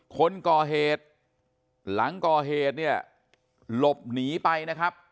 คนก่อเหตุหลังก่อเหตุเนี่ยหลบหนีไปนะครับ